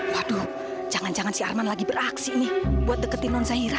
waduh jangan jangan si arman lagi beraksi nih buat deketin non saira